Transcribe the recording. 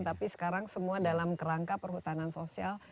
tapi sekarang semua dalam kerangka perhutanan sosial